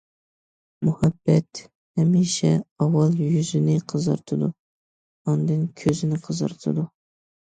مۇھەببەت ھەمىشە ئاۋۋال يۈزىنى قىزارتىدۇ، ئاندىن كۆزىنى قىزارتىدۇ.